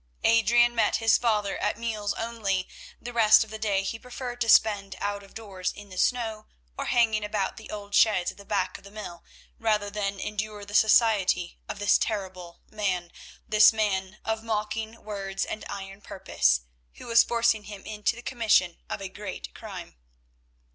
Adrian met his father at meals only; the rest of the day he preferred to spend out of doors in the snow, or hanging about the old sheds at the back of the mill, rather than endure the society of this terrible man; this man of mocking words and iron purpose, who was forcing him into the commission of a great crime.